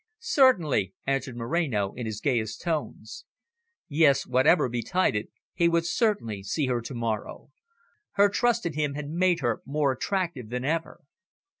"Certainly," answered Moreno in his gayest tones. Yes, whatever betided, he would certainly see her to morrow. Her trust in him had made her more attractive than ever.